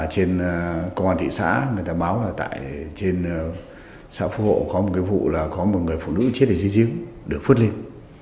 trên công an thị xã người ta báo là trên xã phục hộ có một vụ là có một người phụ nữ chết ở dưới giếng được phứt lên